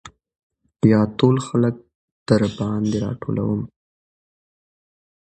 يا ټول خلک درباندې راټولم .